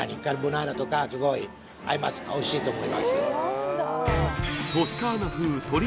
おいしいと思います